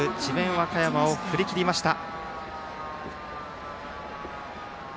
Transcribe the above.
和歌山を振り切りました。